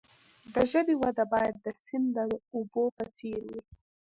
د ژبې وده باید د سیند د اوبو په څیر وي.